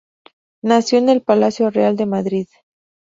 Nació en el palacio real de Madrid.